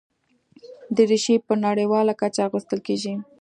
دریشي په نړیواله کچه اغوستل کېږي.